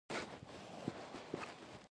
زمرد تر ټولو قیمتي شنه ډبره ده.